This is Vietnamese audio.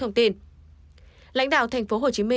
lãnh đạo tp hcm